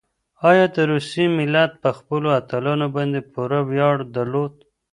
ایا د روسیې ملت په خپلو اتلانو باندې پوره ویاړ درلود؟